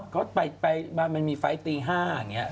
เขาไปมดดำจ่ายตลอดทางเลย